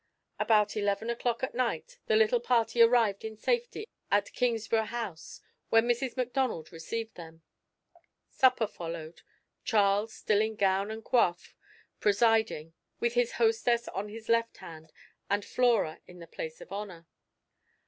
About eleven o'clock at night, the little party arrived in safety at Kingsburgh House, where Mrs. Macdonald received them. Supper followed, Charles, still in gown and coif, presiding, with his hostess on his left hand, and Flora in the place of honour.